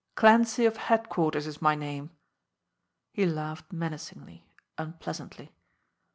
Clancy of headquarters is my name!" He laughed menacingly, unpleasantly.